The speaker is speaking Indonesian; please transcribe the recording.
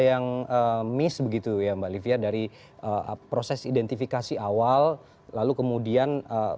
yang miss begitu ya mbak livia dari proses identifikasi awal lalu kemudian